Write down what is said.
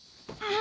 あ？